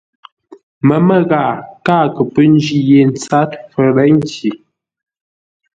Məmə́ ghaa káa kə pə́ ńjí yé tsâr fərə́nci.